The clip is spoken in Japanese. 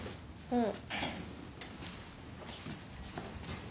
うん。